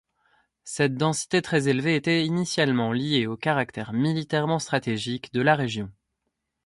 Cette densité très élevée était initialement liée au caractère militairement stratégique de la région.